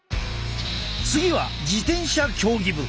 次は自転車競技部。